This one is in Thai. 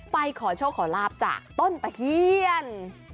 ไปขอโชคขอลาบจากต้นตะเคียน